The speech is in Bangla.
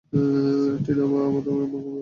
টিনা মা, এটা তোমার নিজের বাড়ি মনে করবে।